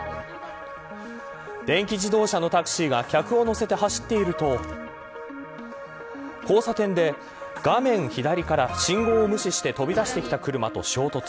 電気自動車のタクシーが客を乗せて走っていると交差点で画面左から信号を無視して飛び出してきた車と衝突。